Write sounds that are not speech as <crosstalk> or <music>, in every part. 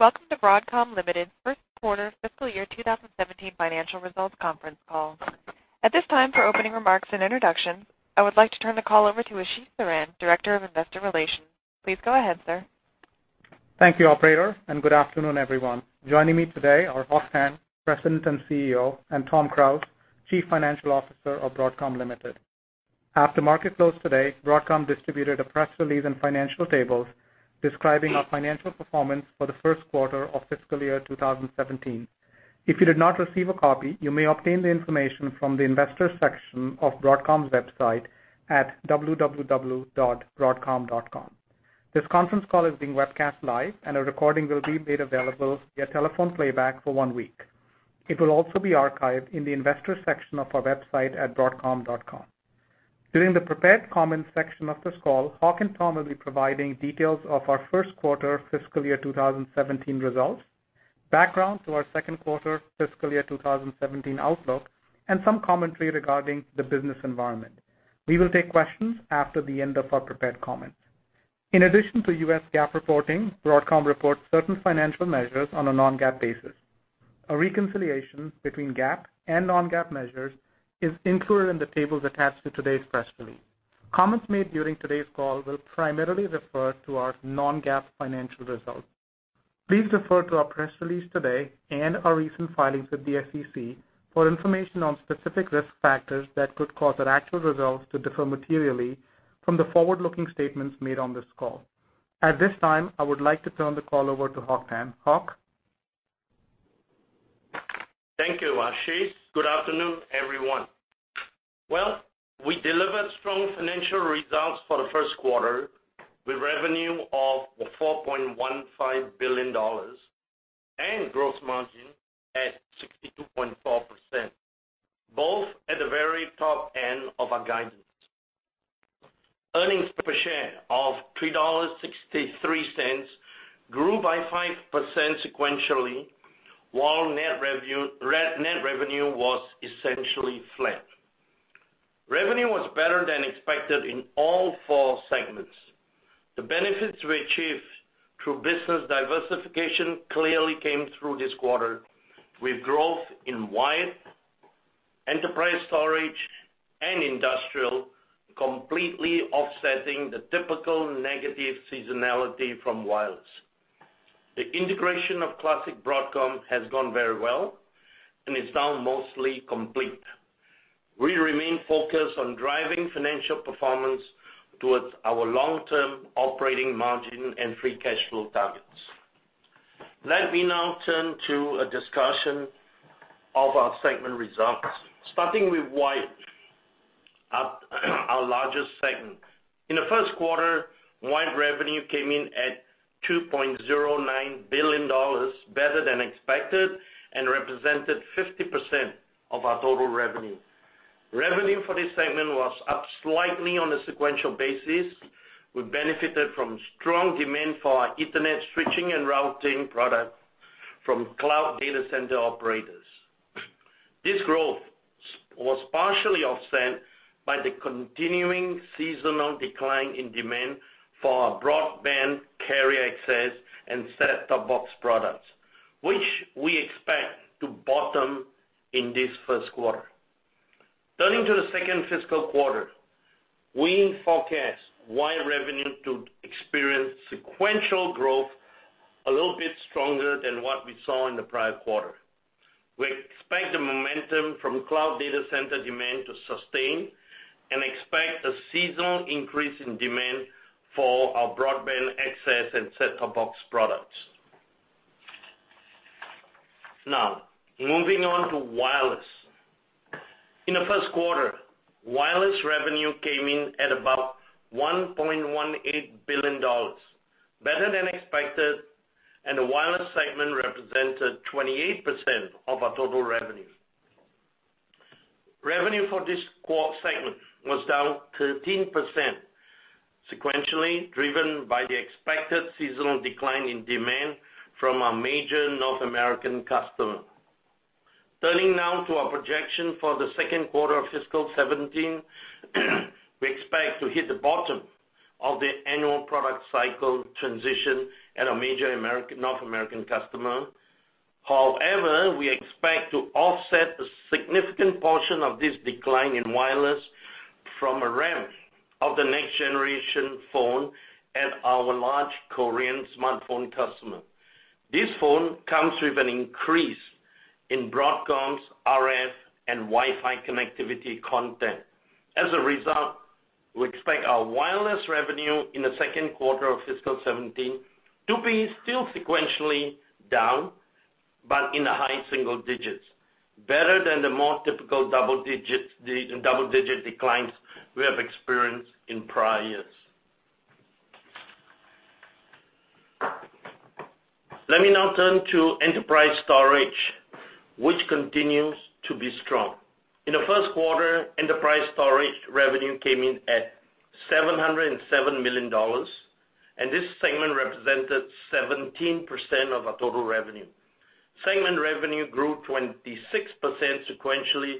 Welcome to Broadcom Limited first quarter fiscal year 2017 financial results conference call. At this time for opening remarks and introductions, I would like to turn the call over to Ashish Saran, Director of Investor Relations. Please go ahead, sir. Thank you, operator, and good afternoon, everyone. Joining me today are Hock Tan, President and CEO, and Tom Krause, Chief Financial Officer of Broadcom Limited. After market close today, Broadcom distributed a press release and financial tables describing our financial performance for the first quarter of fiscal year 2017. If you did not receive a copy, you may obtain the information from the investor section of Broadcom's website at www.broadcom.com. This conference call is being webcast live and a recording will be made available via telephone playback for one week. It will also be archived in the investor section of our website at broadcom.com. During the prepared comments section of this call, Hock and Tom will be providing details of our first quarter fiscal year 2017 results, background to our second quarter fiscal year 2017 outlook, and some commentary regarding the business environment. We will take questions after the end of our prepared comments. In addition to U.S. GAAP reporting, Broadcom reports certain financial measures on a non-GAAP basis. A reconciliation between GAAP and non-GAAP measures is included in the tables attached to today's press release. Comments made during today's call will primarily refer to our non-GAAP financial results. Please refer to our press release today and our recent filings with the SEC for information on specific risk factors that could cause our actual results to differ materially from the forward-looking statements made on this call. At this time, I would like to turn the call over to Hock Tan. Hock? Thank you, Ashish. Good afternoon, everyone. Well, we delivered strong financial results for the first quarter, with revenue of $4.15 billion and gross margin at 62.4%, both at the very top end of our guidance. Earnings per share of $3.63 grew by 5% sequentially, while net revenue was essentially flat. Revenue was better than expected in all four segments. The benefits we achieved through business diversification clearly came through this quarter with growth in wired, enterprise storage, and industrial completely offsetting the typical negative seasonality from wireless. The integration of Broadcom Corporation has gone very well and is now mostly complete. We remain focused on driving financial performance towards our long-term operating margin and free cash flow targets. Let me now turn to a discussion of our segment results, starting with wired, our largest segment. In the first quarter, wired revenue came in at $2.09 billion, better than expected, and represented 50% of our total revenue. Revenue for this segment was up slightly on a sequential basis. We benefited from strong demand for our Ethernet switching and routing products from cloud data center operators. This growth was partially offset by the continuing seasonal decline in demand for our broadband carrier access and set-top box products, which we expect to bottom in this first quarter. Turning to the second fiscal quarter, we forecast wired revenue to experience sequential growth a little bit stronger than what we saw in the prior quarter. We expect the momentum from cloud data center demand to sustain and expect a seasonal increase in demand for our broadband access and set-top box products. Moving on to wireless. In the first quarter, wireless revenue came in at about $1.18 billion, better than expected, and the wireless segment represented 28% of our total revenue. Revenue for this segment was down 13% sequentially, driven by the expected seasonal decline in demand from a major North American customer. Turning now to our projection for the second quarter of fiscal 2017, we expect to hit the bottom of the annual product cycle transition at a major North American customer. We expect to offset a significant portion of this decline in wireless from a ramp of the next generation phone at our large Korean smartphone customer. This phone comes with an increase in Broadcom's RF and Wi-Fi connectivity content. We expect our wireless revenue in the second quarter of fiscal 2017 to be still sequentially down, but in the high single digits, better than the more typical double-digit declines we have experienced in prior years. Let me now turn to enterprise storage, which continues to be strong. In the first quarter, enterprise storage revenue came in at $707 million, and this segment represented 17% of our total revenue. Segment revenue grew 26% sequentially,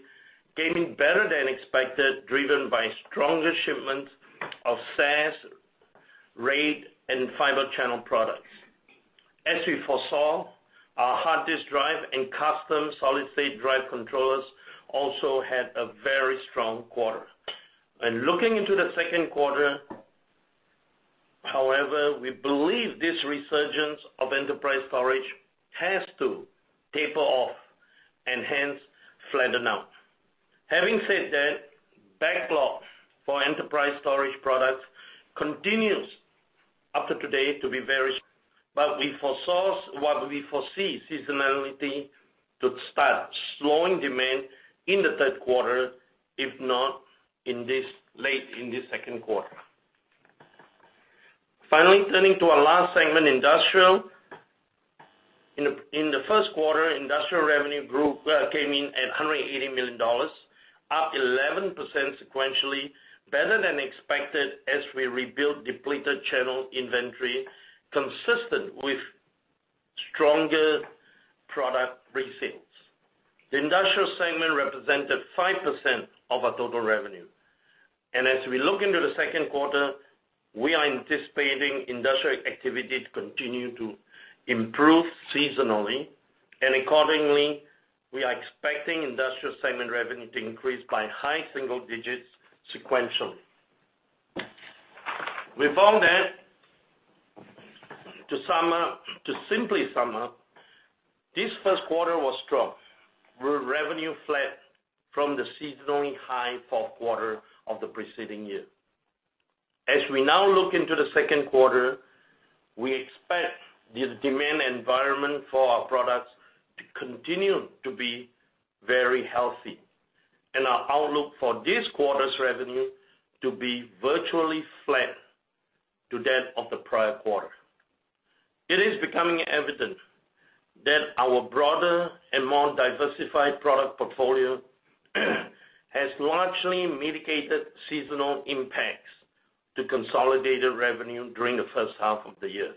gaining better than expected, driven by stronger shipments of SAS, RAID, and Fibre Channel products. As we foresaw, our hard disk drive and custom solid-state drive controllers also had a very strong quarter. Looking into the second quarter, we believe this resurgence of enterprise storage has to taper off and hence flatten out. Having said that, backlogs for enterprise storage products continues up to today to be very, but what we foresee seasonally to start slowing demand in the third quarter, if not late in the second quarter. Turning to our last segment, Industrial. In the first quarter, Industrial revenue came in at $180 million, up 11% sequentially, better than expected as we rebuilt depleted channel inventory, consistent with stronger product resales. The Industrial segment represented 5% of our total revenue. As we look into the second quarter, we are anticipating industrial activity to continue to improve seasonally. Accordingly, we are expecting Industrial segment revenue to increase by high single digits sequentially. With all that, to simply sum up, this first quarter was strong, with revenue flat from the seasonally high fourth quarter of the preceding year. As we now look into the second quarter, we expect the demand environment for our products to continue to be very healthy and our outlook for this quarter's revenue to be virtually flat to that of the prior quarter. It is becoming evident that our broader and more diversified product portfolio has largely mitigated seasonal impacts to consolidated revenue during the first half of the year.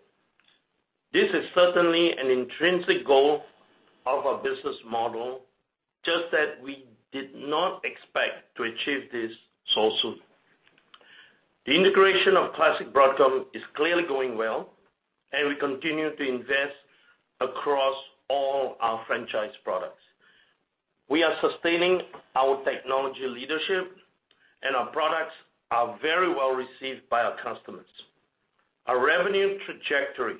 This is certainly an intrinsic goal of our business model, just that we did not expect to achieve this so soon. The integration of Broadcom Corporation is clearly going well, and we continue to invest across all our franchise products. We are sustaining our technology leadership and our products are very well received by our customers. Our revenue trajectory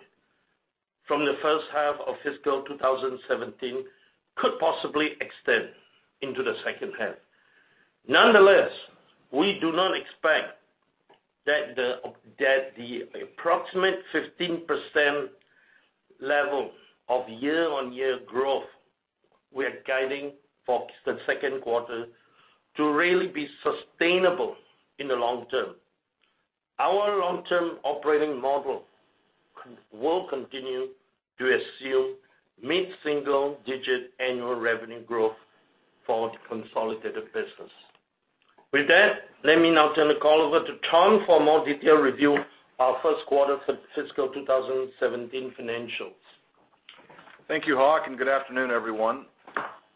from the first half of fiscal 2017 could possibly extend into the second half. We do not expect that the approximate 15% level of year-on-year growth we are guiding for the second quarter to really be sustainable in the long term. Our long-term operating model will continue to assume mid-single digit annual revenue growth for the consolidated business. With that, let me now turn the call over to Tom for a more detailed review of our first quarter fiscal 2017 financials. Thank you, Hock, and good afternoon, everyone.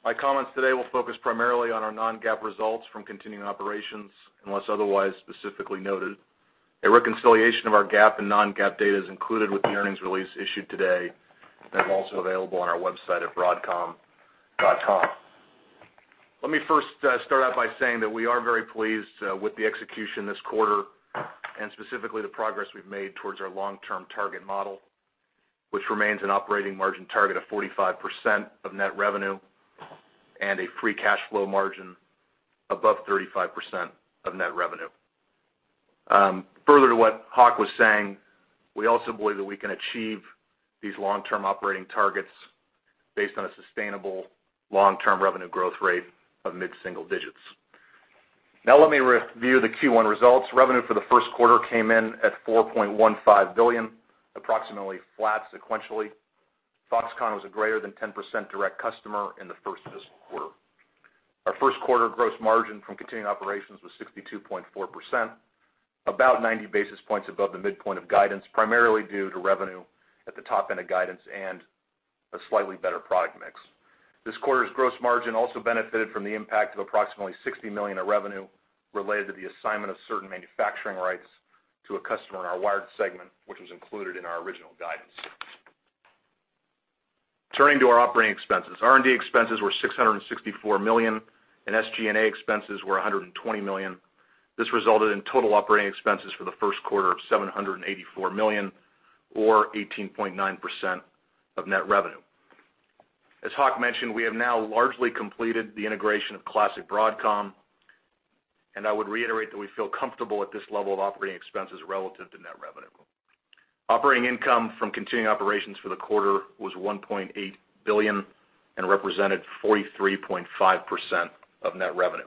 My comments today will focus primarily on our non-GAAP results from continuing operations, unless otherwise specifically noted. A reconciliation of our GAAP and non-GAAP data is included with the earnings release issued today and also available on our website at broadcom.com. Let me first start out by saying that we are very pleased with the execution this quarter and specifically the progress we've made towards our long-term target model, which remains an operating margin target of 45% of net revenue and a free cash flow margin above 35% of net revenue. Further to what Hock was saying, we also believe that we can achieve these long-term operating targets based on a sustainable long-term revenue growth rate of mid-single digits. Let me review the Q1 results. Revenue for the first quarter came in at $4.15 billion, approximately flat sequentially. Foxconn was a greater than 10% direct customer in the first fiscal quarter. Our first quarter gross margin from continuing operations was 62.4%, about 90 basis points above the midpoint of guidance, primarily due to revenue at the top end of guidance and a slightly better product mix. This quarter's gross margin also benefited from the impact of approximately $60 million of revenue related to the assignment of certain manufacturing rights to a customer in our Wired segment, which was included in our original guidance. Turning to our operating expenses. R&D expenses were $664 million and SG&A expenses were $120 million. This resulted in total operating expenses for the first quarter of $784 million or 18.9% of net revenue. As Hock mentioned, we have now largely completed the integration of Broadcom Corporation, I would reiterate that we feel comfortable at this level of operating expenses relative to net revenue. Operating income from continuing operations for the quarter was $1.8 billion and represented 43.5% of net revenue.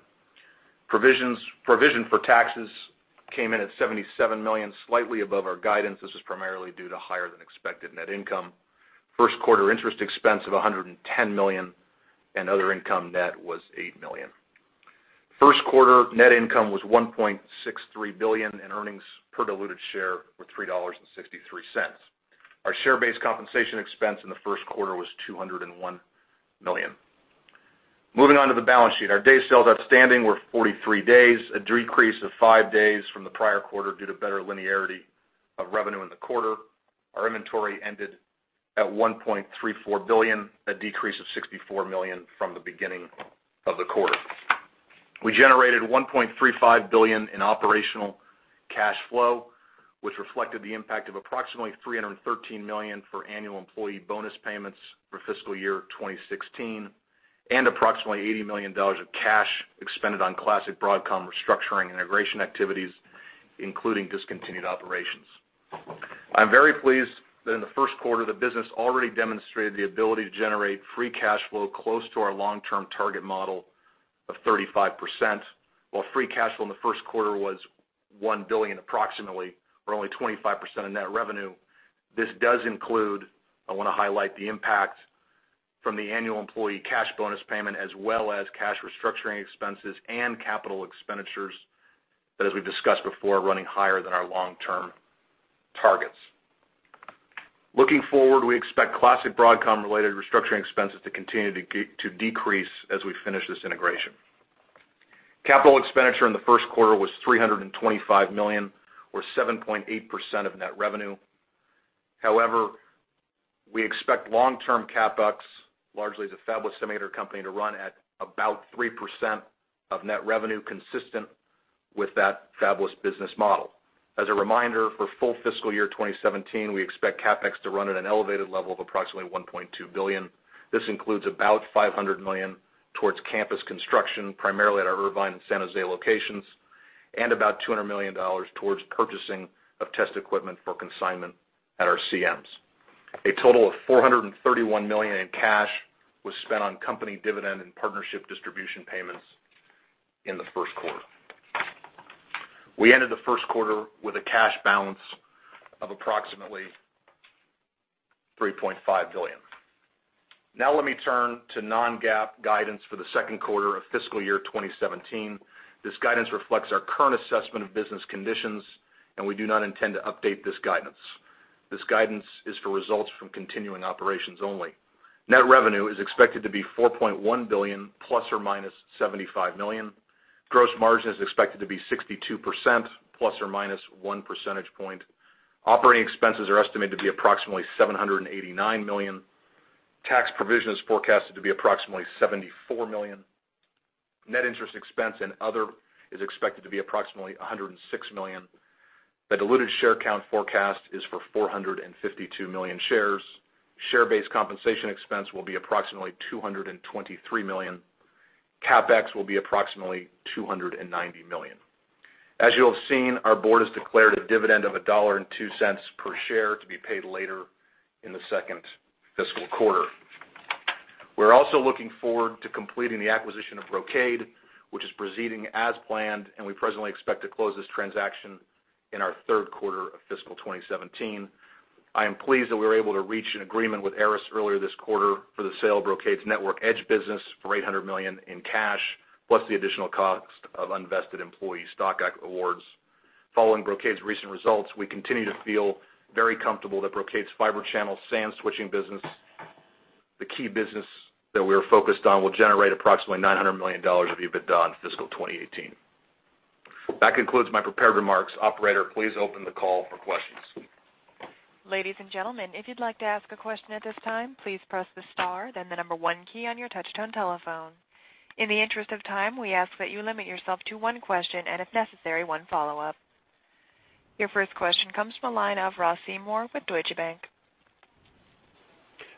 Provision for taxes came in at $77 million, slightly above our guidance. This was primarily due to higher than expected net income. First quarter interest expense of $110 million and other income net was $8 million. First quarter net income was $1.63 billion, and earnings per diluted share were $3.63. Our share-based compensation expense in the first quarter was $201 million. Moving on to the balance sheet. Our day sales outstanding were 43 days, a decrease of five days from the prior quarter due to better linearity of revenue in the quarter. Our inventory ended at $1.34 billion, a decrease of $64 million from the beginning of the quarter. We generated $1.35 billion in operational cash flow, which reflected the impact of approximately $313 million for annual employee bonus payments for fiscal year 2016, and approximately $80 million of cash expended on Broadcom Corporation restructuring integration activities, including discontinued operations. I am very pleased that in the first quarter, the business already demonstrated the ability to generate free cash flow close to our long-term target model of 35%. While free cash flow in the first quarter was approximately $1 billion, or only 25% of net revenue, this does include, I want to highlight the impact from the annual employee cash bonus payment as well as cash restructuring expenses and capital expenditures, that as we have discussed before, are running higher than our long-term targets. Looking forward, we expect Broadcom Corporation related restructuring expenses to continue to decrease as we finish this integration. Capital expenditure in the first quarter was $325 million, or 7.8% of net revenue. However, we expect long-term CapEx, largely as a fabless semiconductor company, to run at about 3% of net revenue consistent with that fabless business model. As a reminder, for full fiscal year 2017, we expect CapEx to run at an elevated level of approximately $1.2 billion. This includes about $500 million towards campus construction, primarily at our Irvine and San Jose locations, and about $200 million towards purchasing of test equipment for consignment at our CMs. A total of $431 million in cash was spent on company dividend and partnership distribution payments in the first quarter. We ended the first quarter with a cash balance of approximately $3.5 billion. Now let me turn to non-GAAP guidance for the second quarter of fiscal year 2017. This guidance reflects our current assessment of business conditions, and we do not intend to update this guidance. This guidance is for results from continuing operations only. Net revenue is expected to be $4.1 billion, plus or minus $75 million. Gross margin is expected to be 62%, plus or minus one percentage point. Operating expenses are estimated to be approximately $789 million. Tax provision is forecasted to be approximately $74 million. Net interest expense and other is expected to be approximately $106 million. The diluted share count forecast is for 452 million shares. Share-based compensation expense will be approximately $223 million. CapEx will be approximately $290 million. As you have seen, our board has declared a dividend of $1.02 per share to be paid later in the second fiscal quarter. We're also looking forward to completing the acquisition of Brocade, which is proceeding as planned, and we presently expect to close this transaction in our third quarter of fiscal 2017. I am pleased that we were able to reach an agreement with Arris earlier this quarter for the sale of Brocade's network edge business for $800 million in cash, plus the additional cost of unvested employee stock awards. Following Brocade's recent results, we continue to feel very comfortable that Brocade's Fibre Channel SAN switching business, the key business that we're focused on, will generate approximately $900 million of EBITDA in fiscal 2018. That concludes my prepared remarks. Operator, please open the call for questions. Ladies and gentlemen, if you'd like to ask a question at this time, please press the star, then the number 1 key on your touchtone telephone. In the interest of time, we ask that you limit yourself to one question, and if necessary, one follow-up. Your first question comes from the line of Ross Seymore with Deutsche Bank.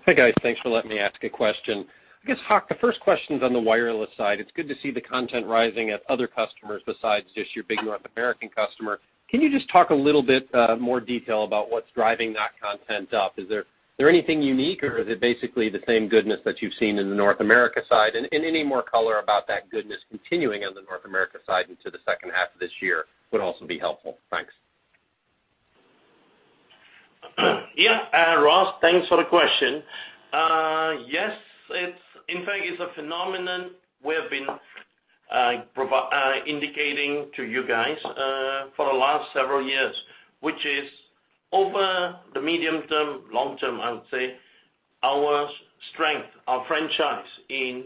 Hey, guys. Thanks for letting me ask a question. I guess, Hock, the first question's on the wireless side. It's good to see the content rising at other customers besides just your big North American customer. Can you just talk a little bit more detail about what's driving that content up? Is there anything unique, or is it basically the same goodness that you've seen in the North America side? Any more color about that goodness continuing on the North America side into the second half of this year would also be helpful. Thanks. Yeah. Ross, thanks for the question. Yes, in fact, it's a phenomenon we have been indicating to you guys for the last several years, which is over the medium term, long term, I would say, our strength, our franchise in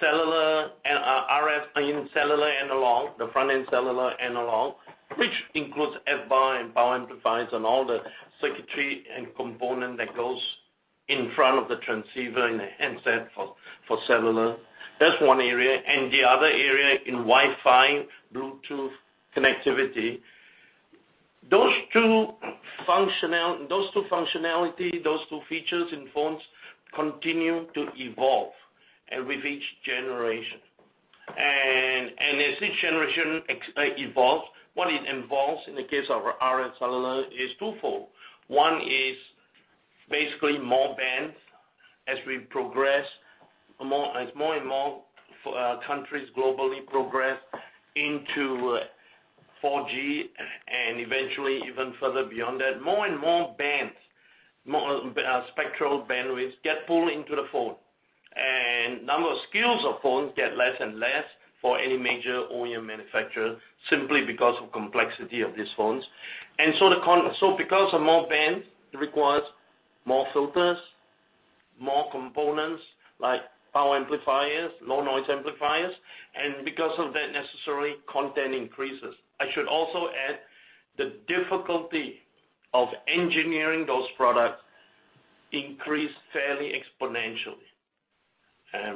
cellular RF, in cellular analog, the front end cellular analog, which includes FBAR and power amplifiers and all the circuitry and component that goes in front of the transceiver in the handset for cellular. That's one area. The other area in Wi-Fi, Bluetooth connectivity. Those two functionality, those two features in phones continue to evolve and with each generation. As each generation evolves, what it involves in the case of our RF cellular is twofold. One is basically more bands as we progress, as more and more countries globally progress into 4G and eventually even further beyond that, more and more bands More spectral bandwidth get pulled into the phone. Number of SKUs of phones get less and less for any major OEM manufacturer simply because of complexity of these phones. Because of more bands, it requires more filters, more components like power amplifiers, low noise amplifiers, and because of that, necessary content increases. I should also add the difficulty of engineering those products increase fairly exponentially,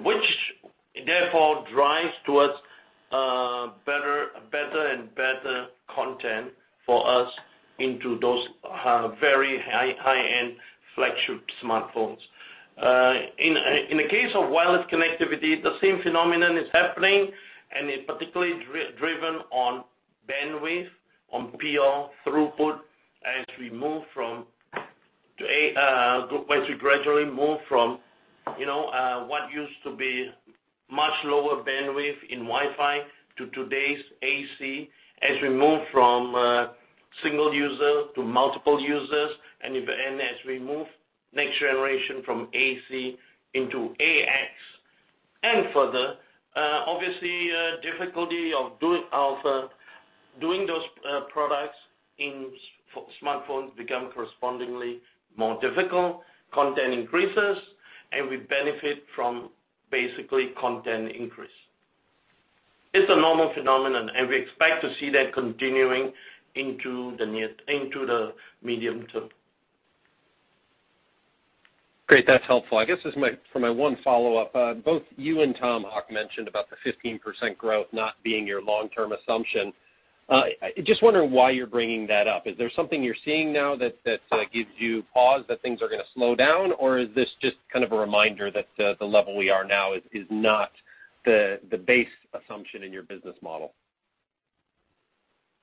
which therefore drives towards better and better content for us into those very high-end flagship smartphones. In the case of wireless connectivity, the same phenomenon is happening, it particularly driven on bandwidth, on PO throughput as we gradually move from what used to be much lower bandwidth in Wi-Fi to today's AC, as we move from single user to multiple users, as we move next generation from AC into AX and further. Obviously, difficulty of doing those products in smartphones become correspondingly more difficult, content increases, we benefit from basically content increase. It's a normal phenomenon, we expect to see that continuing into the medium term. Great. That's helpful. I guess, for my one follow-up, both you and Tom, Hock mentioned about the 15% growth not being your long-term assumption. Just wondering why you're bringing that up. Is there something you're seeing now that gives you pause that things are going to slow down, or is this just a reminder that the level we are now is not the base assumption in your business model?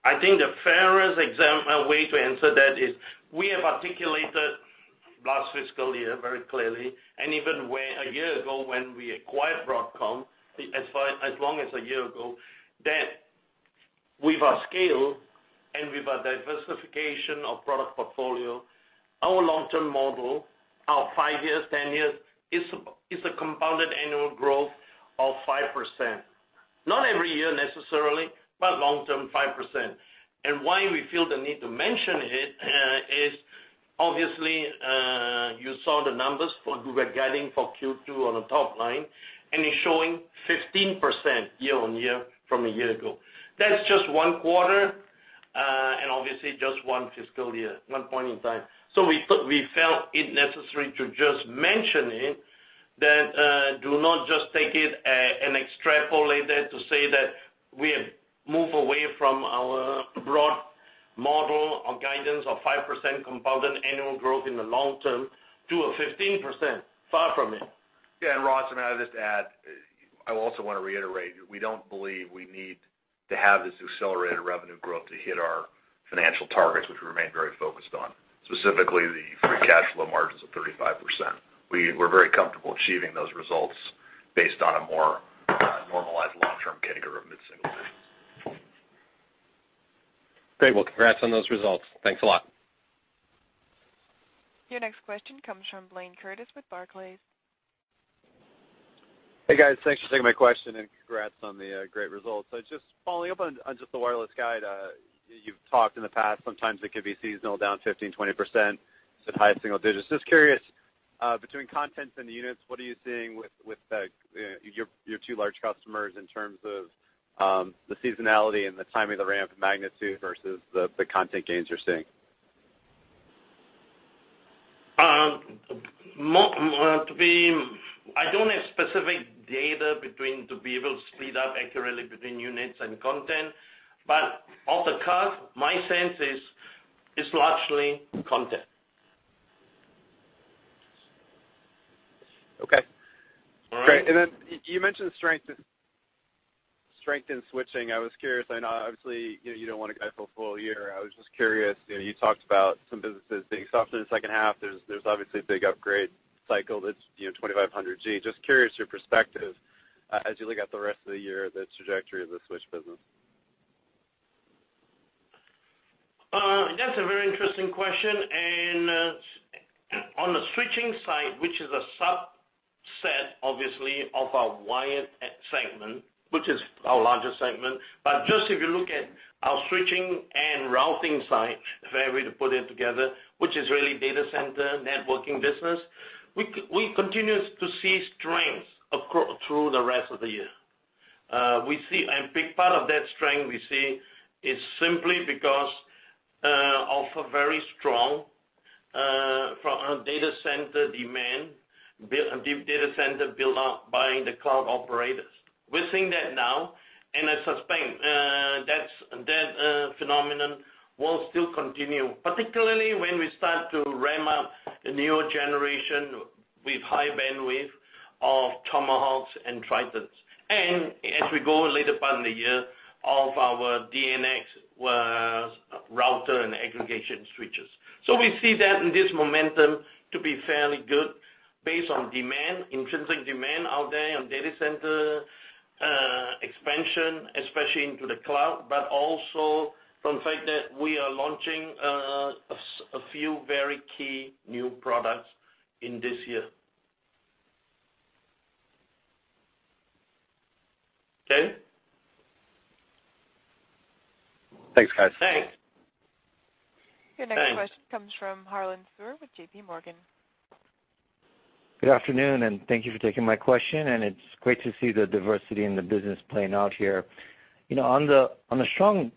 I think the fairest way to answer that is we have articulated last fiscal year very clearly, even a year ago when we acquired Broadcom, as long as a year ago, that with our scale and with our diversification of product portfolio, our long-term model, our 5 years, 10 years, is a compounded annual growth of 5%. Not every year necessarily, but long term, 5%. Why we feel the need to mention it is obviously, you saw the numbers for <inaudible> we're guiding for Q2 on the top line, it's showing 15% year-on-year from a year ago. That's just one quarter, obviously just one fiscal year, one point in time. We felt it necessary to just mention it, that do not just take it and extrapolate that to say that we have moved away from our broad model or guidance of 5% compounded annual growth in the long term to a 15%. Far from it. Ross, may I just add, I also want to reiterate, we don't believe we need to have this accelerated revenue growth to hit our financial targets, which we remain very focused on, specifically the free cash flow margins of 35%. We're very comfortable achieving those results based on a more normalized long-term category of mid-single digits. Great. Congrats on those results. Thanks a lot. Your next question comes from Blayne Curtis with Barclays. Hey, guys. Thanks for taking my question and congrats on the great results. Just following up on just the wireless guide. You've talked in the past, sometimes it could be seasonal, down 15%-20%, sometimes single digits. Just curious, between contents and the units, what are you seeing with your two large customers in terms of the seasonality and the timing of the ramp magnitude versus the content gains you're seeing? I don't have specific data to be able to split up accurately between units and content, but off the cuff, my sense is it's largely content. Okay. All right. Great. You mentioned strength in switching. I was curious, I know obviously, you don't want to guide for a full year. I was just curious, you talked about some businesses being softer in the second half. There's obviously a big upgrade cycle that's 25/100G. Just curious your perspective as you look at the rest of the year, the trajectory of the switch business. That's a very interesting question. On the switching side, which is a subset, obviously, of our wired segment, which is our largest segment. Just if you look at our switching and routing side, if I were to put it together, which is really data center networking business, we continue to see strength through the rest of the year. A big part of that strength we see is simply because of a very strong data center demand, data center build-out by the cloud operators. We're seeing that now, and I suspect that phenomenon will still continue, particularly when we start to ramp up the newer generation with high bandwidth of Tomahawks and Tridents. As we go later on in the year of our StrataDNX router and aggregation switches. We see that this momentum to be fairly good based on demand, intrinsic demand out there on data center expansion, especially into the cloud, but also from the fact that we are launching a few very key new products in this year. Okay? Thanks, guys. Thanks. Your next question comes from Harlan Sur with JPMorgan. Good afternoon, thank you for taking my question. It's great to see the diversity in the business playing out here. On the strong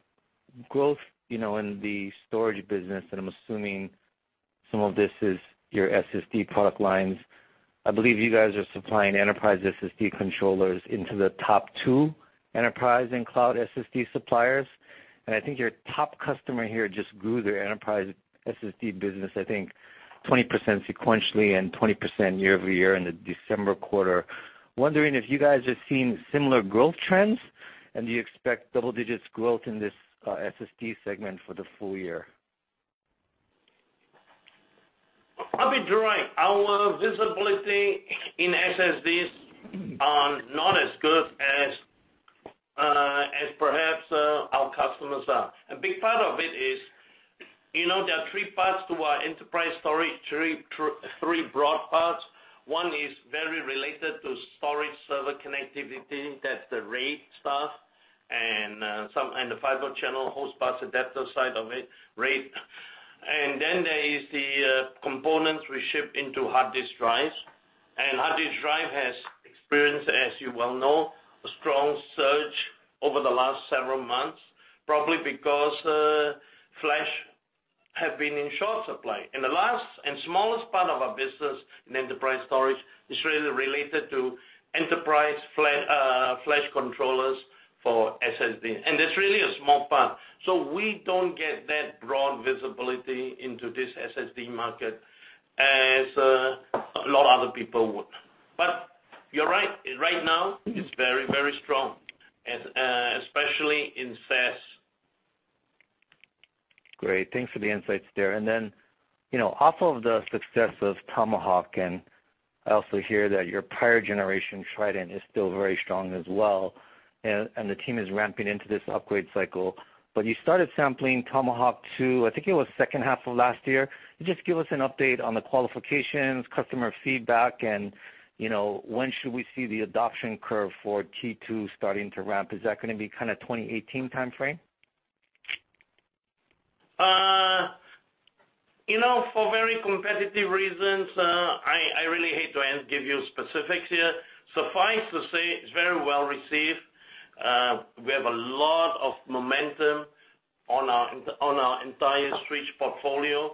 growth in the storage business, I'm assuming some of this is your SSD product lines. I believe you guys are supplying enterprise SSD controllers into the top 2 enterprise and cloud SSD suppliers. I think your top customer here just grew their enterprise SSD business, I think 20% sequentially and 20% year-over-year in the December quarter. Wondering if you guys have seen similar growth trends, do you expect double-digit growth in this SSD segment for the full year? I'll be direct. Our visibility in SSDs are not as good as perhaps our customers are. A big part of it is, there are three parts to our enterprise storage, three broad parts. One is very related to storage server connectivity, that's the RAID stuff, the Fibre Channel host bus adapter side of it, RAID. Then there is the components we ship into hard disk drives. Hard disk drive has experienced, as you well know, a strong surge over the last several months, probably because flash have been in short supply. The last and smallest part of our business in enterprise storage is really related to enterprise flash controllers for SSD. That's really a small part. We don't get that broad visibility into this SSD market as a lot of other people would. You're right. Right now, it's very, very strong, especially in SAS. Great. Thanks for the insights there. Off of the success of Tomahawk, I also hear that your prior generation Trident is still very strong as well. The team is ramping into this upgrade cycle. You started sampling Tomahawk II, I think it was second half of last year. Could you just give us an update on the qualifications, customer feedback, when should we see the adoption curve for T2 starting to ramp? Is that going to be 2018 timeframe? For very competitive reasons, I really hate to give you specifics here. Suffice to say, it's very well-received. We have a lot of momentum on our entire switch portfolio.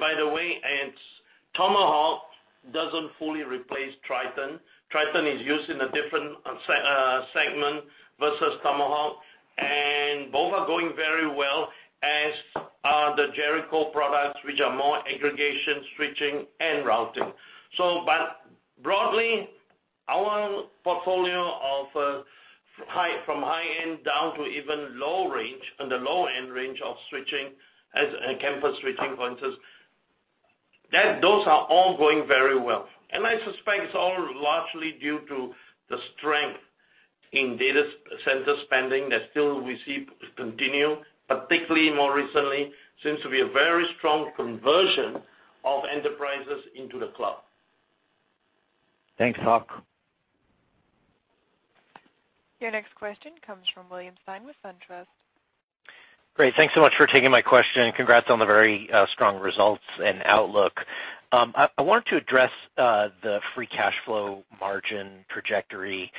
By the way, Tomahawk doesn't fully replace Trident. Trident is used in a different segment versus Tomahawk, and both are going very well, as are the Jericho products, which are more aggregation, switching, and routing. Broadly, our portfolio from high-end down to even low range, on the low-end range of campus switching points, those are all going very well. I suspect it's all largely due to the strength in data center spending that still we see continue, particularly more recently, seems to be a very strong conversion of enterprises into the cloud. Thanks, Hock. Your next question comes from William Stein with SunTrust. Great. Thanks so much for taking my question. Congrats on the very strong results and outlook. I wanted to address the free cash flow margin trajectory.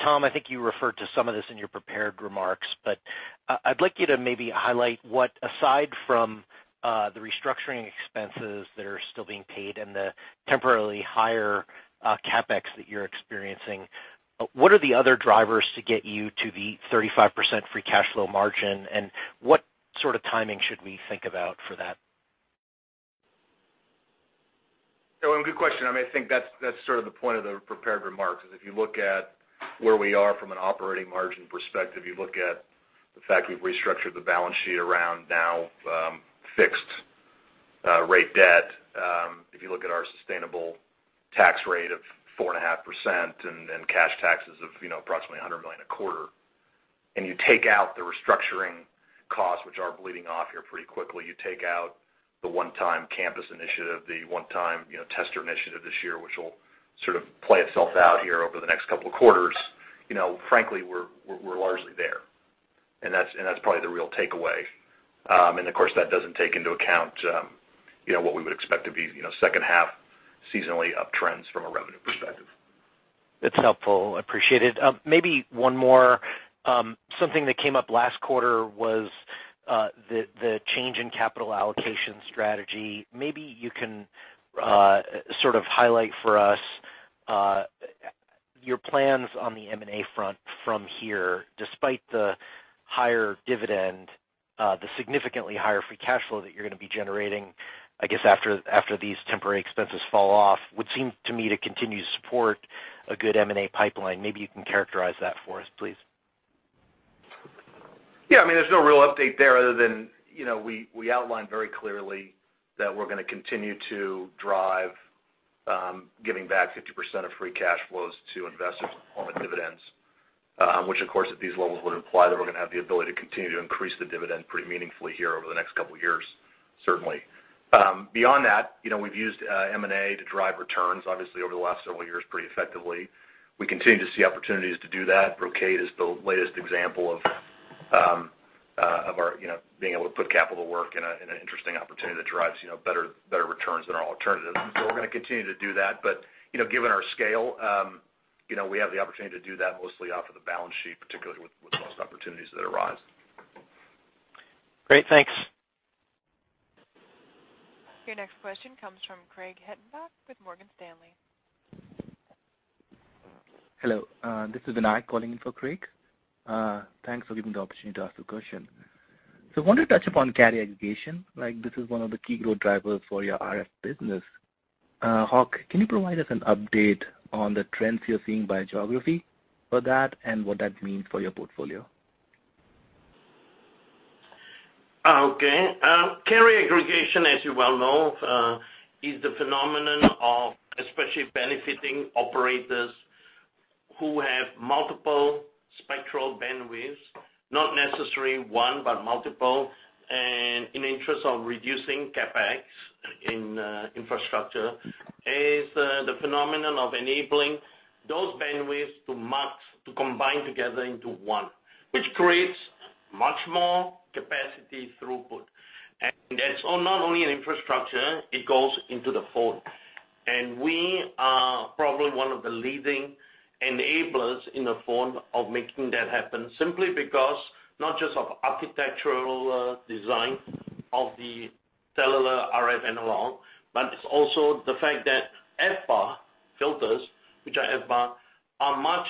Tom, I think you referred to some of this in your prepared remarks, but I'd like you to maybe highlight what, aside from the restructuring expenses that are still being paid and the temporarily higher CapEx that you're experiencing, what are the other drivers to get you to the 35% free cash flow margin, and what sort of timing should we think about for that? Well, good question. I think that's sort of the point of the prepared remarks, is if you look at where we are from an operating margin perspective, you look at the fact we've restructured the balance sheet around now fixed rate debt. If you look at our sustainable tax rate of 4.5% and cash taxes of approximately $100 million a quarter, you take out the restructuring costs, which are bleeding off here pretty quickly. You take out the one-time campus initiative, the one-time tester initiative this year, which will sort of play itself out here over the next couple of quarters. Frankly, we're largely there, and that's probably the real takeaway. Of course, that doesn't take into account what we would expect to be second half seasonally uptrends from a revenue perspective. That's helpful. Appreciate it. Maybe one more. Something that came up last quarter was the change in capital allocation strategy. Maybe you can highlight for us your plans on the M&A front from here, despite the higher dividend, the significantly higher free cash flow that you're going to be generating, I guess, after these temporary expenses fall off, would seem to me to continue to support a good M&A pipeline. Maybe you can characterize that for us, please. Yeah, there's no real update there other than we outlined very clearly that we're going to continue to drive giving back 50% of free cash flows to investors on the dividends, which of course at these levels would imply that we're going to have the ability to continue to increase the dividend pretty meaningfully here over the next couple of years, certainly. Beyond that, we've used M&A to drive returns, obviously, over the last several years pretty effectively. We continue to see opportunities to do that. Brocade is the latest example of being able to put capital to work in an interesting opportunity that drives better returns than our alternative. We're going to continue to do that. Given our scale, we have the opportunity to do that mostly off of the balance sheet, particularly with most opportunities that arise. Great. Thanks. Your next question comes from Craig Hettenbach with Morgan Stanley. Hello, this is Anay calling in for Craig. Thanks for giving the opportunity to ask the question. I want to touch upon carrier aggregation. This is one of the key growth drivers for your RF business. Hock, can you provide us an update on the trends you're seeing by geography for that and what that means for your portfolio? Okay. Carrier aggregation, as you well know, is the phenomenon of especially benefiting operators who have multiple spectral bandwidth, not necessarily one, but multiple, in interest of reducing CapEx in infrastructure, is the phenomenon of enabling those bandwidths to combine together into one, which creates much more capacity throughput. That's not only in infrastructure, it goes into the phone. We are probably one of the leading enablers in the phone of making that happen, simply because not just of architectural design of the cellular RF analog, but it's also the fact that FBAR filters, which are FBAR, are much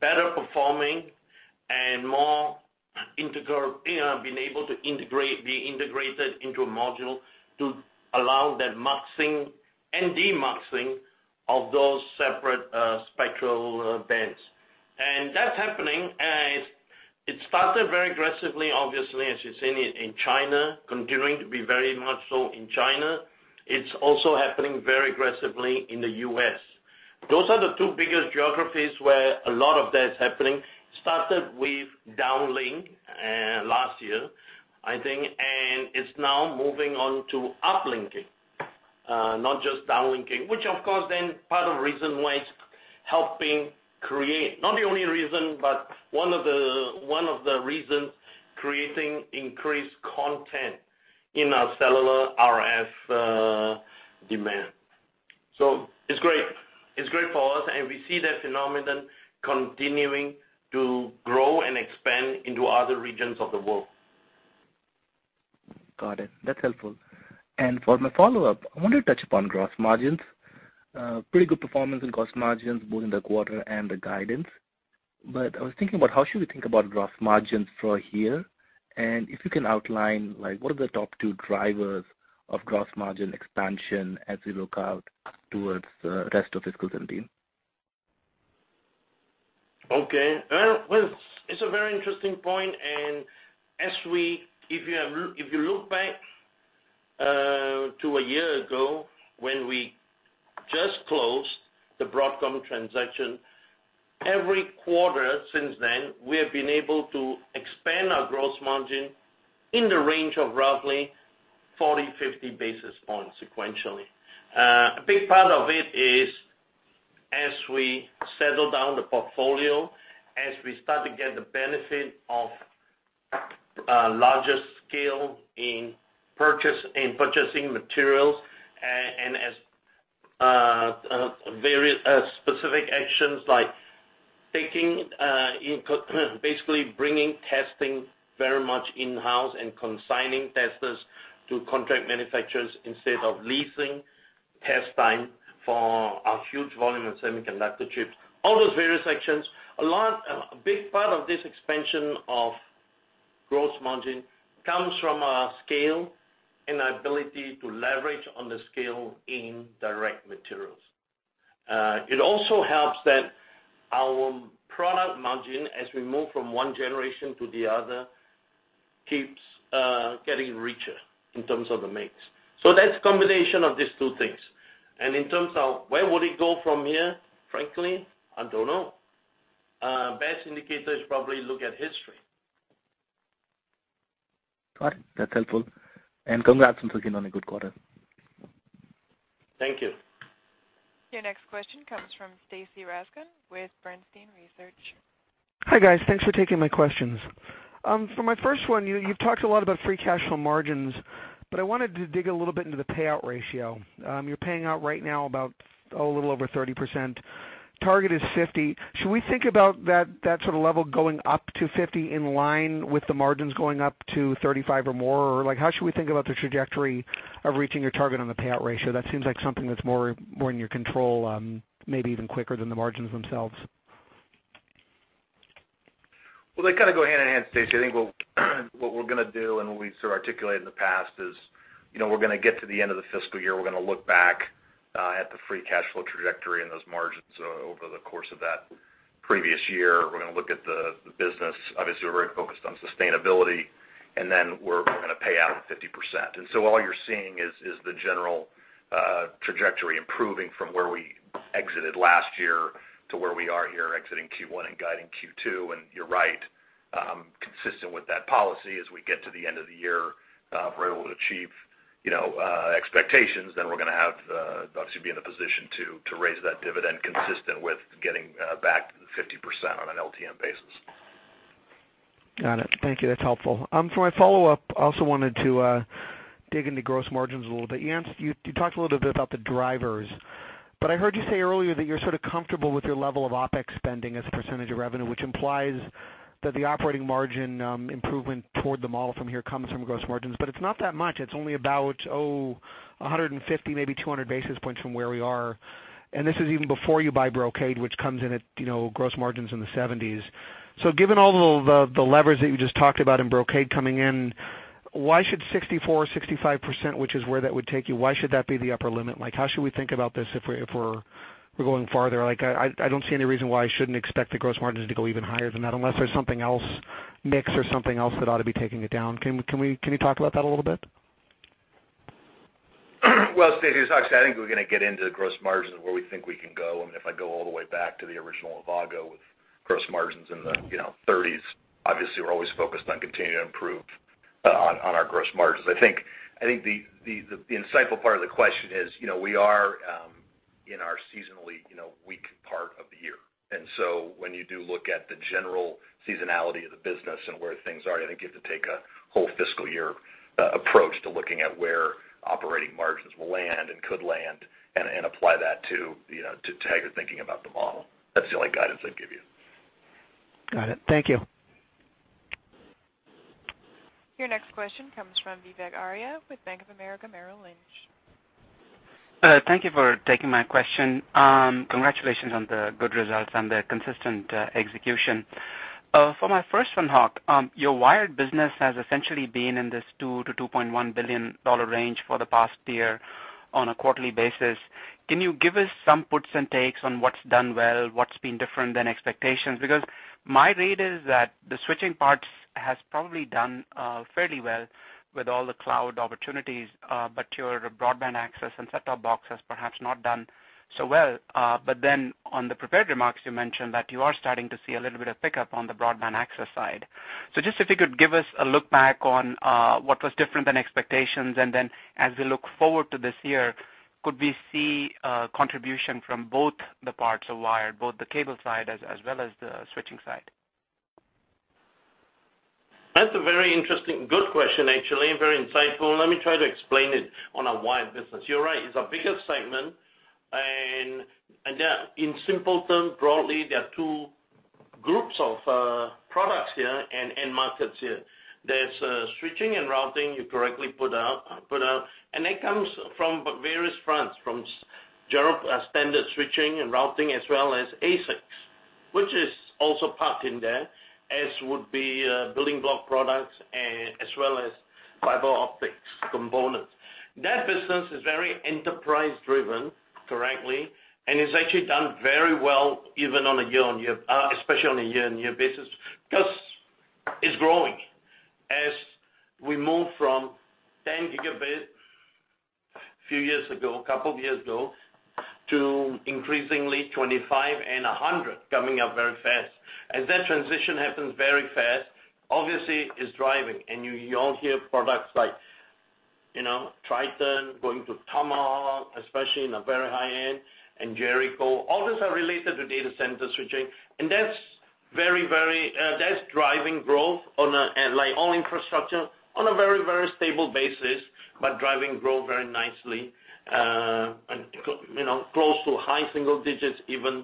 better performing and being able to be integrated into a module to allow that muxing and demuxing of those separate spectral bands. That's happening as it started very aggressively, obviously, as you've seen it in China, continuing to be very much so in China. It's also happening very aggressively in the U.S. Those are the two biggest geographies where a lot of that is happening. Started with downlink last year, I think, and it's now moving on to uplinking, not just downlinking, which of course then part of the reason why it's helping create, not the only reason, but one of the reasons creating increased content in our cellular RF demand. It's great. It's great for us, we see that phenomenon continuing to grow and expand into other regions of the world. Got it. That's helpful. For my follow-up, I wanted to touch upon gross margins. Pretty good performance in gross margins, both in the quarter and the guidance. I was thinking about how should we think about gross margins for here, and if you can outline what are the top two drivers of gross margin expansion as we look out towards the rest of fiscal 2017? It's a very interesting point. If you look back to a year ago when we just closed the Broadcom transaction, every quarter since then, we have been able to expand our gross margin in the range of roughly 40, 50 basis points sequentially. A big part of it is as we settle down the portfolio, as we start to get the benefit of larger scale in purchasing materials and as very specific actions like basically bringing testing very much in-house and consigning testers to contract manufacturers instead of leasing test time for our huge volume of semiconductor chips, all those various actions. A big part of this expansion of gross margin comes from our scale and our ability to leverage on the scale in direct materials. It also helps that our product margin, as we move from one generation to the other, keeps getting richer in terms of the mix. That's a combination of these two things. In terms of where would it go from here, frankly, I don't know. Best indicator is probably look at history. Got it. That's helpful. Congrats on kicking on a good quarter. Thank you. Your next question comes from Stacy Rasgon with Bernstein Research. Hi, guys. Thanks for taking my questions. For my first one, you've talked a lot about free cash flow margins. I wanted to dig a little bit into the payout ratio. You're paying out right now about a little over 30%. Target is 50%. Should we think about that sort of level going up to 50% in line with the margins going up to 35% or more? How should we think about the trajectory of reaching your target on the payout ratio? That seems like something that's more in your control, maybe even quicker than the margins themselves. Well, they kind of go hand in hand, Stacy. I think what we're going to do and what we've sort of articulated in the past is we're going to get to the end of the fiscal year, we're going to look back At the free cash flow trajectory and those margins over the course of that previous year, we're going to look at the business. Obviously, we're very focused on sustainability. We're going to pay out 50%. All you're seeing is the general trajectory improving from where we exited last year to where we are here exiting Q1 and guiding Q2. You're right. Consistent with that policy, as we get to the end of the year, if we're able to achieve expectations, we're going to have the ability to be in a position to raise that dividend consistent with getting back to the 50% on an LTM basis. Got it. Thank you. That's helpful. For my follow-up, I also wanted to dig into gross margins a little bit. Hock, you talked a little bit about the drivers, I heard you say earlier that you're sort of comfortable with your level of OpEx spending as a percentage of revenue, which implies that the operating margin improvement toward the model from here comes from gross margins. It's not that much. It's only about 150, maybe 200 basis points from where we are. And this is even before you buy Brocade, which comes in at gross margins in the 70s. Given all the levers that you just talked about in Brocade coming in, why should 64%-65%, which is where that would take you, why should that be the upper limit? How should we think about this if we're going farther? I don't see any reason why I shouldn't expect the gross margins to go even higher than that unless there's something else, mix or something else that ought to be taking it down. Can you talk about that a little bit? Well, Stacy, as Hock said, I think we're going to get into gross margins and where we think we can go. I mean, if I go all the way back to the original Avago with gross margins in the 30s, obviously, we're always focused on continuing to improve on our gross margins. I think the insightful part of the question is, we are in our seasonally weak part of the year. When you do look at the general seasonality of the business and where things are, I think you have to take a whole fiscal year approach to looking at where operating margins will land and could land and apply that to how you're thinking about the model. That's the only guidance I'd give you. Got it. Thank you. Your next question comes from Vivek Arya with Bank of America Merrill Lynch. Thank you for taking my question. Congratulations on the good results and the consistent execution. For my first one, Hock, your wired business has essentially been in this $2 billion to $2.1 billion range for the past year on a quarterly basis. Can you give us some puts and takes on what's done well, what's been different than expectations? My read is that the switching parts has probably done fairly well with all the cloud opportunities, but your broadband access and set-top box has perhaps not done so well. On the prepared remarks, you mentioned that you are starting to see a little bit of pickup on the broadband access side. Just if you could give us a look back on what was different than expectations, as we look forward to this year, could we see contribution from both the parts of wired, both the cable side as well as the switching side? That's a very interesting, good question, actually, very insightful. Let me try to explain it on our wired business. You're right, it's our biggest segment. In simple terms, broadly, there are two groups of products here and end markets here. There's switching and routing, you correctly put out. That comes from various fronts, from general standard switching and routing, as well as ASICs, which is also parked in there, as would be building block products as well as fiber optics components. That business is very enterprise driven, correctly, and it's actually done very well, especially on a year-on-year basis, because it's growing. As we move from 10 gigabit a few years ago, a couple of years ago, to increasingly 25 and 100 coming up very fast. As that transition happens very fast, obviously it's driving. You all hear products like Trident going to Tomahawk, especially in the very high end, and Jericho. All these are related to data center switching, and that's driving growth on infrastructure on a very, very stable basis, but driving growth very nicely, close to high single digits, even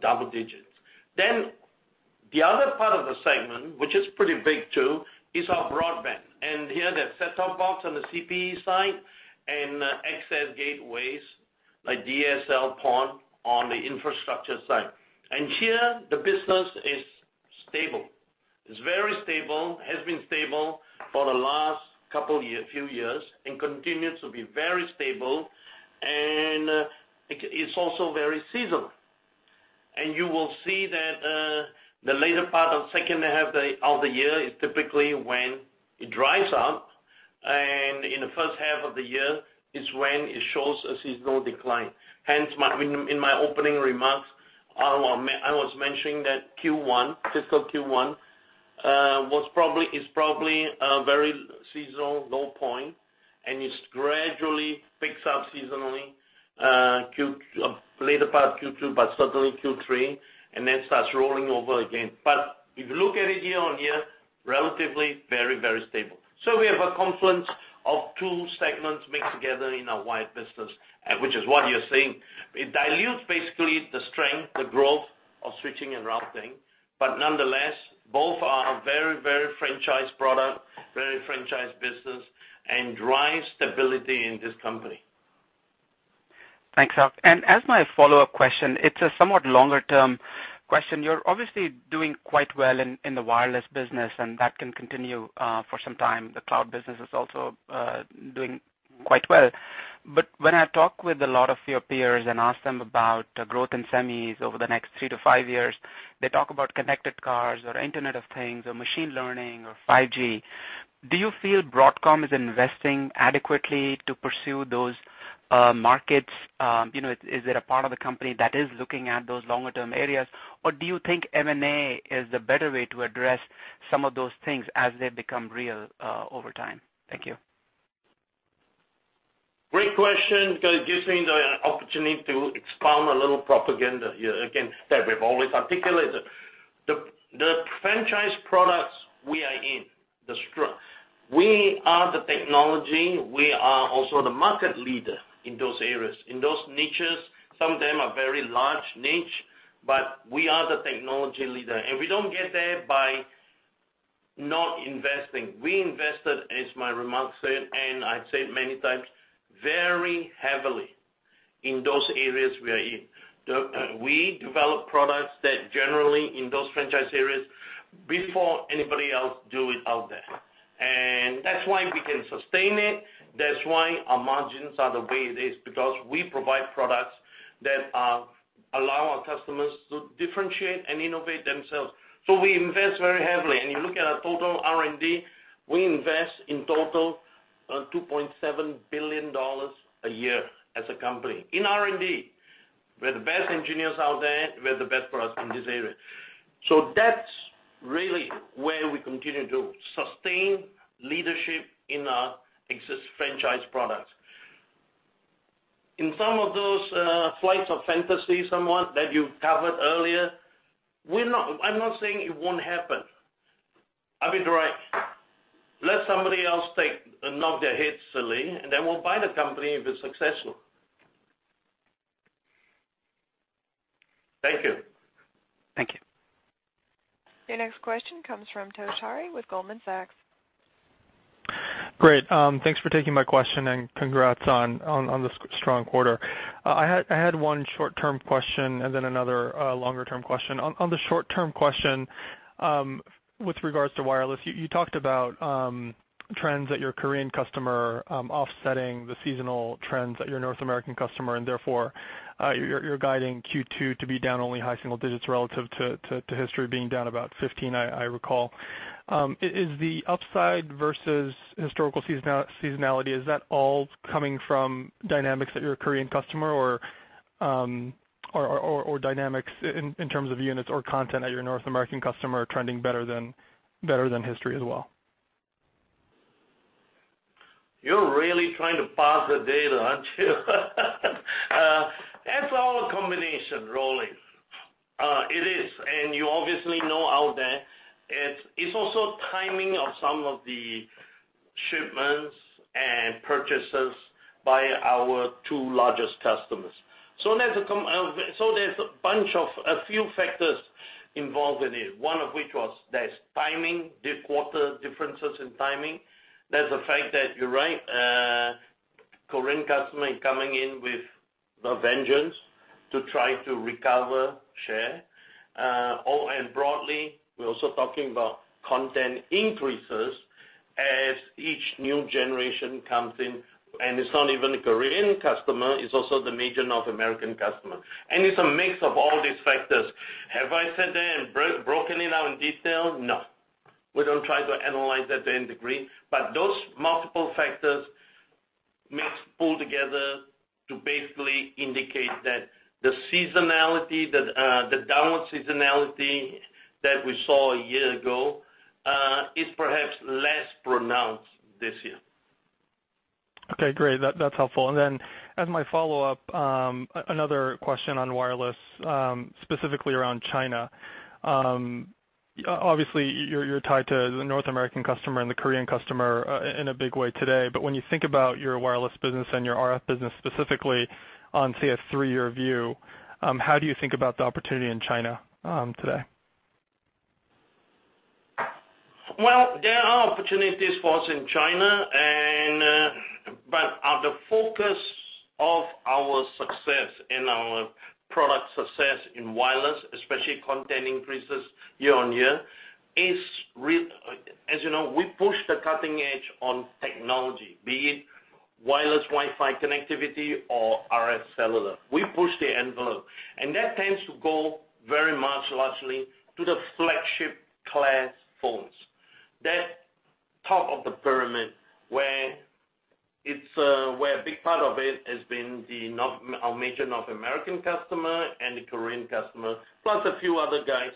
double digits. The other part of the segment, which is pretty big too, is our broadband. Here, the set-top box on the CPE side and access gateways like DSL PON on the infrastructure side. Here, the business is stable. It's very stable, has been stable for the last few years and continues to be very stable. It's also very seasonal. You will see that the later part of the second half of the year is typically when it drives up, and in the first half of the year is when it shows a seasonal decline. In my opening remarks, I was mentioning that fiscal Q1 is probably a very seasonal low point, it gradually picks up seasonally later part Q2, but certainly Q3, then starts rolling over again. If you look at it year-over-year, relatively very, very stable. We have a confluence of two segments mixed together in our wired business, which is what you're seeing. It dilutes basically the strength, the growth of switching and routing. Nonetheless, both are very franchised product, very franchised business, and drive stability in this company. Thanks, Hock. As my follow-up question, it's a somewhat longer-term question. You're obviously doing quite well in the wireless business, and that can continue for some time. The cloud business is also doing quite well. When I talk with a lot of your peers and ask them about growth in semis over the next three to five years, they talk about connected cars or Internet of Things or machine learning or 5G. Do you feel Broadcom is investing adequately to pursue those markets? Is it a part of the company that is looking at those longer-term areas, or do you think M&A is the better way to address some of those things as they become real over time? Thank you. Great question because it gives me the opportunity to expound a little propaganda here. Again, that we've always articulated. The franchise products we are in, we are the technology, we are also the market leader in those areas, in those niches. Some of them are very large niche, we are the technology leader, we don't get there by not investing. We invested, as my remarks said, and I said many times, very heavily in those areas we are in. We develop products that generally, in those franchise areas, before anybody else do it out there. That's why we can sustain it, that's why our margins are the way it is, because we provide products that allow our customers to differentiate and innovate themselves. We invest very heavily. You look at our total R&D, we invest in total, $2.7 billion a year as a company in R&D. We have the best engineers out there, we have the best products in this area. That's really where we continue to sustain leadership in our existing franchise products. In some of those flights of fantasy, somewhat, that you've covered earlier, I'm not saying it won't happen. I'll be direct. Let somebody else knock their heads silly, and then we'll buy the company if it's successful. Thank you. Thank you. Your next question comes from Toshiya Hari with Goldman Sachs. Great. Thanks for taking my question, congrats on the strong quarter. I had one short-term question and then another longer-term question. On the short-term question, with regards to wireless, you talked about trends at your Korean customer offsetting the seasonal trends at your North American customer, therefore, you're guiding Q2 to be down only high single digits relative to history being down about 15, I recall. Is the upside versus historical seasonality, is that all coming from dynamics at your Korean customer or dynamics in terms of units or content at your North American customer trending better than history as well? You're really trying to parse the data, aren't you? It's all a combination, [rolling]. It is. You obviously know out there, it's also timing of some of the shipments and purchases by our two largest customers. There's a few factors involved in it, one of which was there's timing, the quarter differences in timing. There's the fact that, you're right, Korean customer is coming in with a vengeance to try to recover share. Broadly, we're also talking about content increases as each new generation comes in. It's not even the Korean customer, it's also the major North American customer. It's a mix of all these factors. Have I sat there and broken it out in detail? No. We don't try to analyze that to any degree. Those multiple factors mix, pull together to basically indicate that the seasonality, the downward seasonality that we saw a year ago, is perhaps less pronounced this year. Okay, great. That's helpful. Then as my follow-up, another question on wireless, specifically around China. Obviously, you're tied to the North American customer and the Korean customer in a big way today. When you think about your wireless business and your RF business specifically on say, a three-year view, how do you think about the opportunity in China today? Well, there are opportunities for us in China. At the focus of our success and our product success in wireless, especially content increases year-on-year, as you know, we push the cutting edge on technology. Be it wireless Wi-Fi connectivity or RF cellular. We push the envelope. That tends to go very much largely to the flagship class phones. That top of the pyramid, where a big part of it has been our major North American customer and the Korean customer, plus a few other guys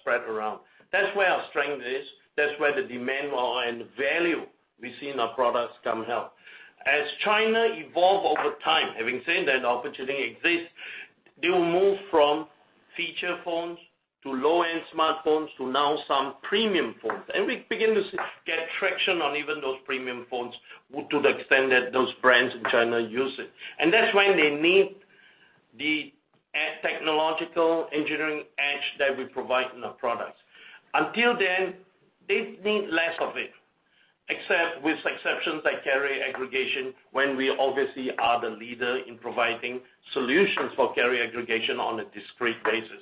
spread around. That's where our strength is. That's where the demand and value we see in our products come help. As China evolve over time, having said that opportunity exists, they will move from feature phones to low-end smartphones to now some premium phones. We begin to get traction on even those premium phones to the extent that those brands in China use it. That's when they need the technological engineering edge that we provide in our products. Until then, they need less of it, except with exceptions like carrier aggregation, when we obviously are the leader in providing solutions for carrier aggregation on a discrete basis.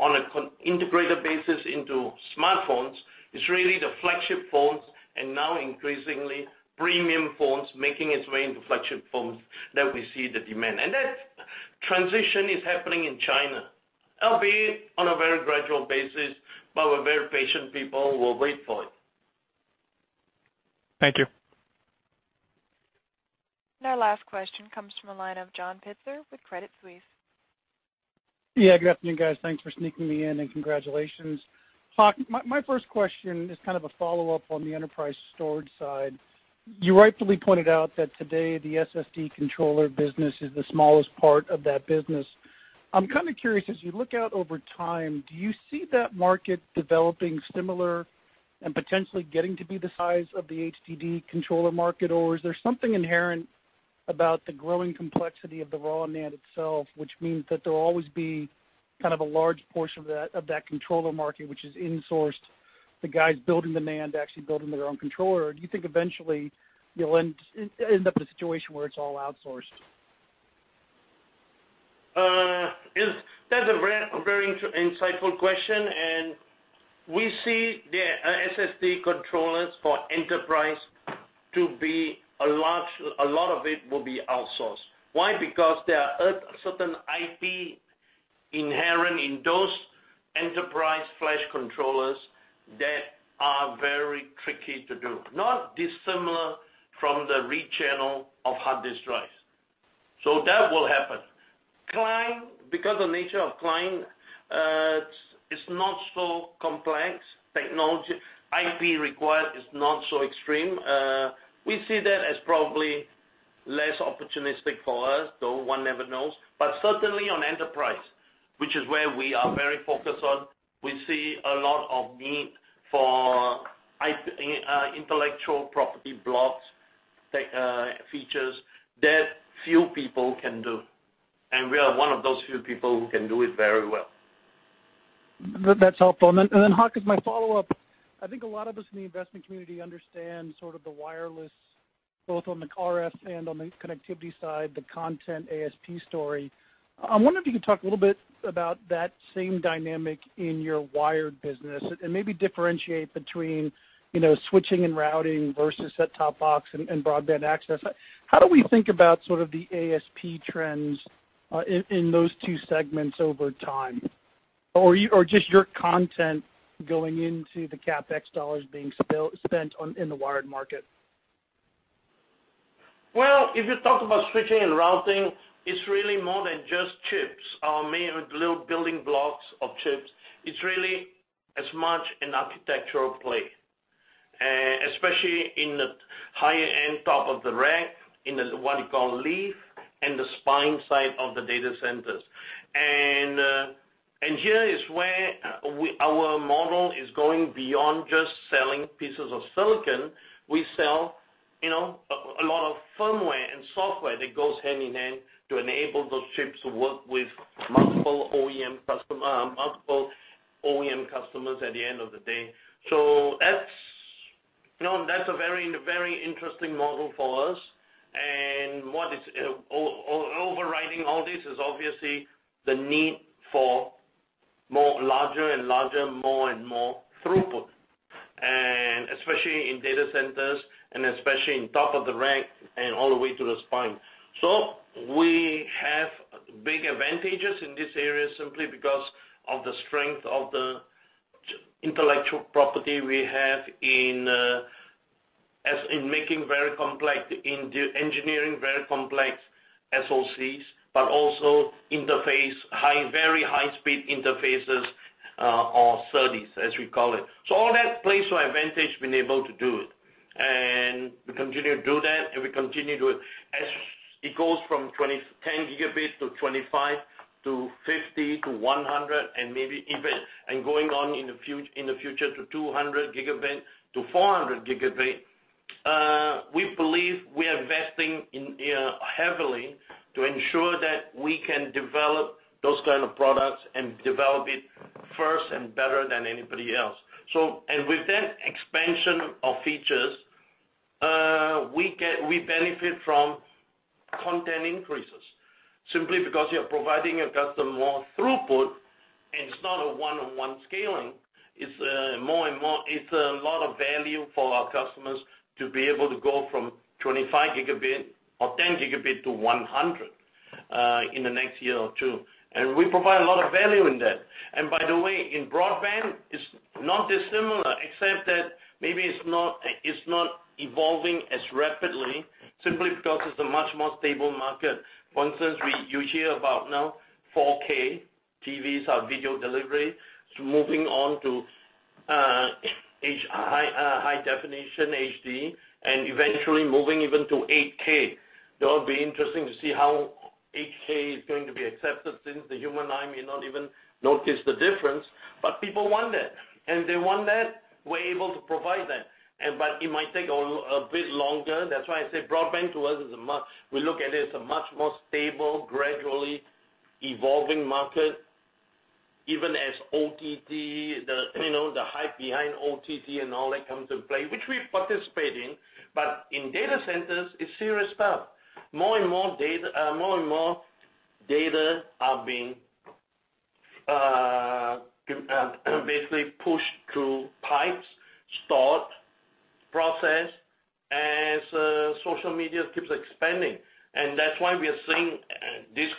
On an integrated basis into smartphones, it's really the flagship phones, and now increasingly premium phones making its way into flagship phones that we see the demand. That transition is happening in China, albeit on a very gradual basis, but we're very patient people. We'll wait for it. Thank you. Our last question comes from the line of John Pitzer with Credit Suisse. Yeah, good afternoon, guys. Thanks for sneaking me in, and congratulations. Hock, my first question is kind of a follow-up on the enterprise storage side. You rightfully pointed out that today the SSD controller business is the smallest part of that business. I'm kind of curious, as you look out over time, do you see that market developing similar and potentially getting to be the size of the HDD controller market? Is there something inherent about the growing complexity of the raw NAND itself, which means that there will always be kind of a large portion of that controller market which is insourced, the guys building the NAND actually building their own controller? Do you think eventually you'll end up in a situation where it's all outsourced? That's a very insightful question. We see the SSD controllers for enterprise to be a lot of it will be outsourced. Why? Because there are certain IP inherent in those enterprise flash controllers that are very tricky to do, not dissimilar from the read channel of hard disk drives. That will happen. Client. Because the nature of client, it's not so complex. Technology IP required is not so extreme. We see that as probably less opportunistic for us, though one never knows. Certainly on enterprise, which is where we are very focused on, we see a lot of need for intellectual property blocks, features that few people can do. We are one of those few people who can do it very well. That's helpful. Hock, as my follow-up, I think a lot of us in the investment community understand sort of the wireless, both on the RF and on the connectivity side, the content ASP story. I wonder if you could talk a little bit about that same dynamic in your wired business and maybe differentiate between switching and routing versus set-top box and broadband access. How do we think about sort of the ASP trends in those two segments over time? Or just your content going into the CapEx dollars being spent in the wired market. Well, if you talk about switching and routing, it's really more than just chips or mere little building blocks of chips. It's really as much an architectural play, especially in the higher-end top of the rack, in what you call leaf and the spine side of the data centers. And here is where our model is going beyond just selling pieces of silicon. We sell a lot of firmware and software that goes hand in hand to enable those chips to work with multiple OEM customers at the end of the day. That's a very interesting model for us, and overriding all this is obviously the need for larger and larger, more and more throughput, especially in data centers, and especially in top of the rack and all the way to the spine. We have big advantages in this area simply because of the strength of the intellectual property we have as in making very complex engineering, very complex SoCs, but also interface, very high-speed interfaces or SerDes, as we call it. All that plays to our advantage, being able to do it. We continue to do that, and we continue to as it goes from 10 gigabits to 25 to 50 to 100, and maybe even, and going on in the future to 200 gigabit to 400 gigabit. We believe we are investing heavily to ensure that we can develop those kind of products and develop it first and better than anybody else. With that expansion of features, we benefit from content increases simply because you're providing a customer more throughput, and it's not a one-on-one scaling. It's a lot of value for our customers to be able to go from 25 gigabit or 10 gigabit to 100 in the next year or two. We provide a lot of value in that. By the way, in broadband, it's not dissimilar, except that maybe it's not evolving as rapidly simply because it's a much more stable market. For instance, you hear about now 4K TVs or video delivery. It's moving on to high definition, HD, and eventually moving even to 8K. That will be interesting to see how 8K is going to be accepted, since the human eye may not even notice the difference. People want that, and they want that, we're able to provide that. It might take a bit longer. That's why I say broadband to us is a much more stable, gradually evolving market, even as OTT, the hype behind OTT and all that comes into play, which we participate in. In data centers, it's serious stuff. More and more data are being basically pushed through pipes, stored, processed as social media keeps expanding. That's why we are seeing this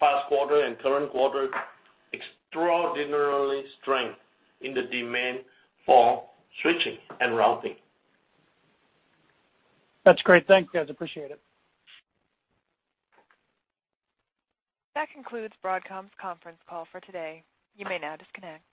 past quarter and current quarter, extraordinarily strong in the demand for switching and routing. That's great. Thank you, guys. Appreciate it. That concludes Broadcom's conference call for today. You may now disconnect.